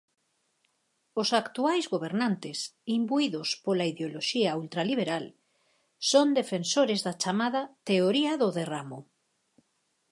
Os actuais gobernantes, imbuídos pola ideoloxía ultraliberal, son defensores da chamada "teoría do derramo".